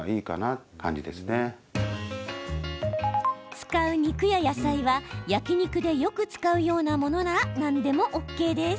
使う肉や野菜は焼き肉でよく使うようなものなら何でもＯＫです。